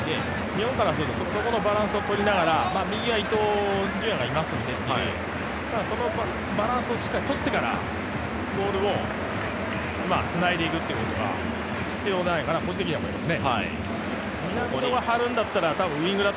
日本からすると、そこのバランスを取りながら、右は伊東純也がいますので、そのバランスをしっかり取ってからボールをつないでいくっていうことが必要じゃないかなと個人的には思います。